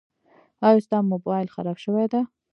ایا ستا مبایل خراب شوی ده؟